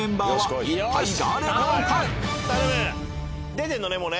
出てるのね